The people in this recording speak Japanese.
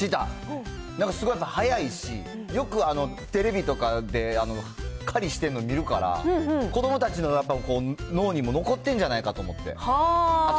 なんかすごい速いし、よくテレビとかで狩りしてるの見るから、子どもたちのやっぱり脳にも残ってんじゃないかなと思って。